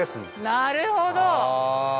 なるほど！